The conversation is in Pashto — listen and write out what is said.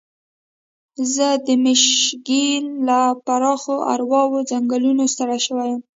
زه د میشیګن له پراخو اوارو ځنګلونو ستړی شوی یم.